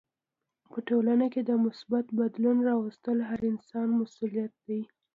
په ټولنه کې د مثبت بدلون راوستل هر انسان مسولیت دی.